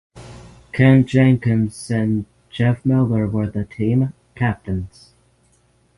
Ken Jenkins and Jeff Miller were the team captains.